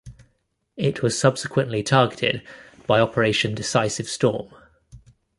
It was subsequently targeted by Operation Decisive Storm.